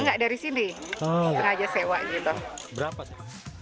enggak dari sini sengaja sewa gitu